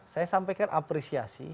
saya sampaikan apresiasi